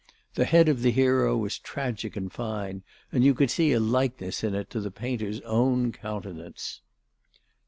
The head of the hero was tragic and fine, and you could see a likeness in it to the painter's own countenance.